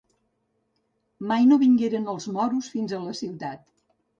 Mai no vingueren els moros fins a la ciutat.